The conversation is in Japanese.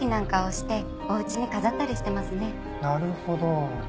なるほど。